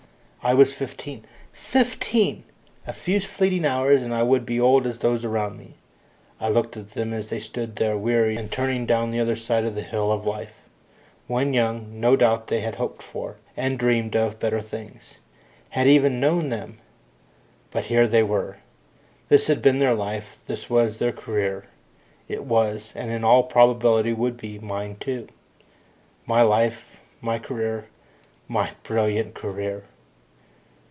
I was fifteen fifteen! A few fleeting hours and I would be old as those around me. I looked at them as they stood there, weary, and turning down the other side of the hill of life. When young, no doubt they had hoped for, and dreamed of, better things had even known them. But here they were. This had been their life; this was their career. It was, and in all probability would be, mine too. My life my career my brilliant career!